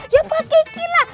ya buat kiki lah